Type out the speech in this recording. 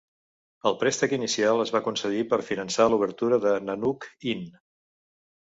El préstec inicial es va concedir per finançar l'obertura del Nanuq Inn.